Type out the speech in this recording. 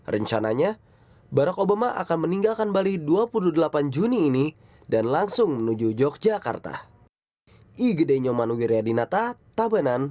rencananya barack obama akan meninggalkan bali dua puluh delapan juni ini dan langsung menuju yogyakarta